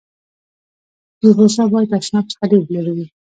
د اوبو څاه باید تشناب څخه ډېر لېري وي.